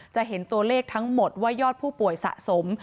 จะเห็นตัวเลขทั้งหมดว่ายอดผู้ป่วยสะสม